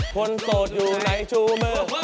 คนโสดอยู่ไหนชู้มือ